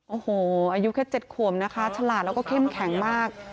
โอ้โหอายุแค่๗ขวบนะคะฉลาดแล้วก็เข้มแข็งมาก